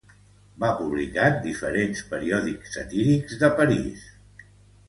Va publicar en diferents periòdics satírics de París.